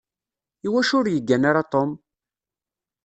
Iwacu ur yeggan ara Tom?